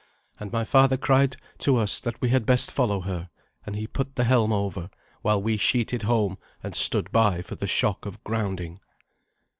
And my father cried to us that we had best follow her; and he put the helm over, while we sheeted home and stood by for the shock of grounding.